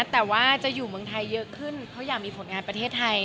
แต่ว่าจะอยู่เมืองไทยเยอะขึ้นเพราะอยากมีผลงานประเทศไทย